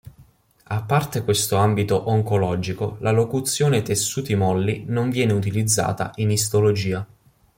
A parte questo ambito oncologico, la locuzione "tessuti molli" non viene utilizzata in istologia.